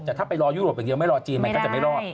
แต่ถ้าไปรอยุโรปอย่างเดียวไม่รอจีนมันก็จะไม่รอด